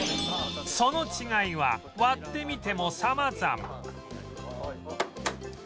その違いは割ってみても様々